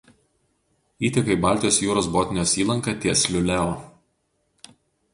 Įteka į Baltijos jūros Botnijos įlanką ties Liuleo.